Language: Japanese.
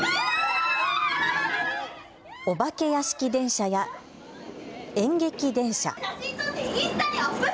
お化け屋敷電車や演劇電車。